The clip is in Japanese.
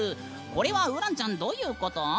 これはＵｒａＮちゃんどういうこと？